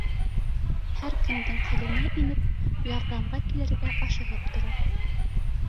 Һәр кемдең хәленә инеп, ярҙамға килергә ашығып тора.